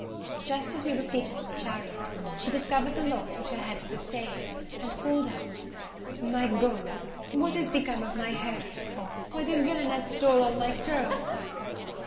Just as we were seated in the chariot, she discovered the loss which her head had sustained, and called out, "My God! what is become of my hair? why, the villain has stole all my curls!"